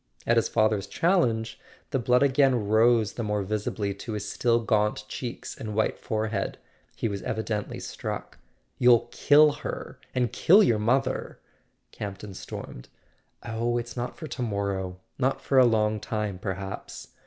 At his father's challenge the blood again rose the more visibly to his still gaunt cheeks and white forehead: he was evidently struck. "You'll kill her—and kill your mother!" Campton stormed. "Oh, it's not for to morrow. Not for a long time, perhaps.